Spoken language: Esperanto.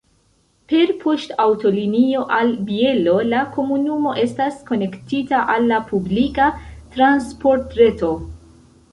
Per poŝtaŭtolinio al Bielo la komunumo estas konektita al la publika transportreto.